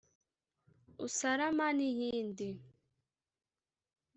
Usalama n’iyindi